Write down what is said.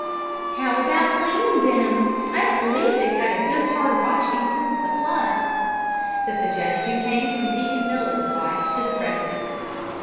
"How about cleaning them? I don't believe they've had a good hard washing since the flood." The suggestion came from Deacon Miller's wife to the president.